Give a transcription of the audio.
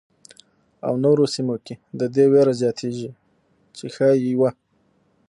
او نورو سیمو کې د دې وېره زیاتېږي چې ښايي یوه.